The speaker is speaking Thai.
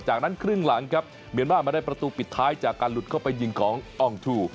จากนั้นครึ่งหลังครับเมียนมาร์มาได้ประตูปิดท้ายจากการหลุดเข้าไปยิงของอองทู